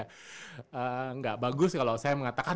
tidak bagus kalau saya mengatakan